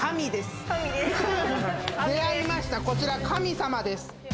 出会いました、こちら神様です。